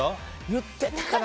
言ってたかな。